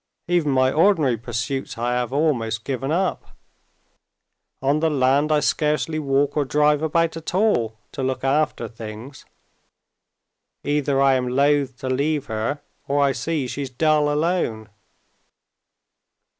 Even my ordinary pursuits I have almost given up. On the land I scarcely walk or drive about at all to look after things. Either I am loath to leave her, or I see she's dull alone.